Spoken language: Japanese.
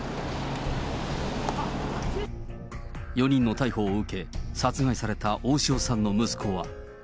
４人の逮捕を受け、殺害された大塩さんの息子は。